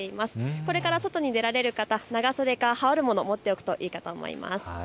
これから外に出られる方、長袖か羽織るもの、持っているといいかと思います。